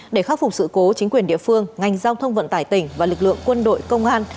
để khắc phục sự cố chính quyền địa phương ngành giao thông vận tải tỉnh và lực lượng quân đội công an